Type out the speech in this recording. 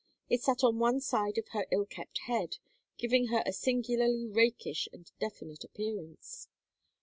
It sat on one side of her ill kept head, giving her a singularly rakish and definite appearance.